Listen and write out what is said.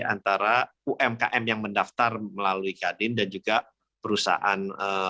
antara umkm yang mendaftar melalui kadin dan juga perusahaan